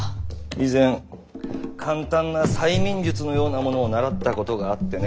以前簡単な催眠術のようなものを習ったことがあってね